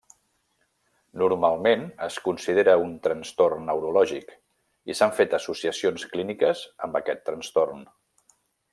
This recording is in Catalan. Normalment es considera un trastorn neurològic i s'han fet associacions clíniques amb aquest trastorn.